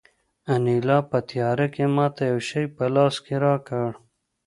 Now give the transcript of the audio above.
انیلا په تیاره کې ماته یو شی په لاس کې راکړ